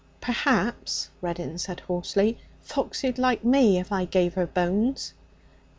'Perhaps,' Reddin said hoarsely, 'Foxy'd like me if I gave her bones.'